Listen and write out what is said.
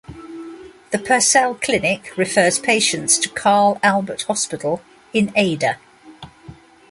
The Purcell Clinic refers patients to Carl Albert Hospital in Ada.